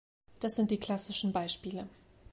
Das sind die klassischen Beispiele.